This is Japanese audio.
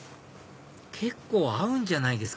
結構合うんじゃないですか？